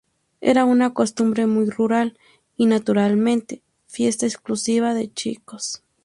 Era una costumbre muy rural y, naturalmente, fiesta exclusiva de chicos.